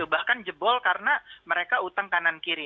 bahkan jebol karena mereka utang kanan kiri